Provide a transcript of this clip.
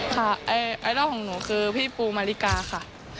ไอดอลของหนูคือพี่ปูมาริกาค่ะ